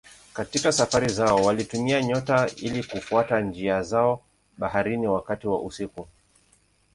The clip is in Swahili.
Katika safari zao walitumia nyota ili kufuata njia zao baharini wakati wa usiku.